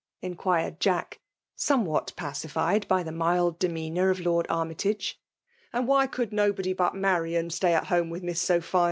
*' inquired Jack, somewhat pacified by the anild demeanour of Lord Armytage. *' Ai|d why could nobody bvt Marian slay at home with Miss Sophia?'